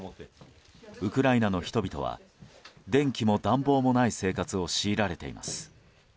ウクライナの人々は電気も暖房もない生活を強いられています。